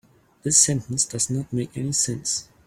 This sentence does not make any sense.